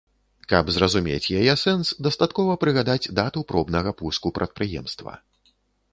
Каб зразумець яе сэнс, дастаткова прыгадаць дату пробнага пуску прадпрыемства.